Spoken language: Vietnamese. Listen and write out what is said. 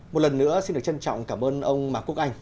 một lần nữa xin được trân trọng cảm ơn ông mạc quốc anh